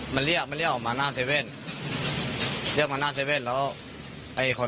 มันเรียกออกมาออกมาหน้าเซเว่น